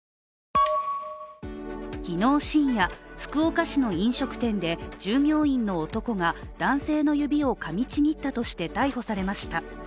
昨日深夜、福岡市の飲食店で従業員の男が男性の指をかみちぎったとして逮捕されました。